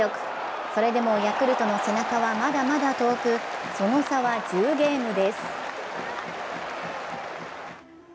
それでもヤクルトの背中はまだまだ遠くその差は１０ゲームです。